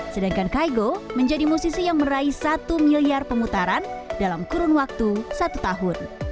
sedangkan kaigo menjadi musisi yang meraih satu miliar pemutaran dalam kurun waktu satu tahun